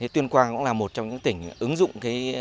tuyên quang cũng là một trong những tỉnh ứng dụng